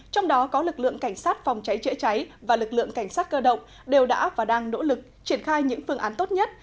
trong đó có lực lượng cảnh sát phòng cháy chữa cháy và lực lượng cảnh sát cơ động đều đã và đang nỗ lực triển khai những phương án tốt nhất